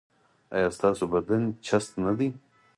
ایا ستاسو بدن چست نه دی؟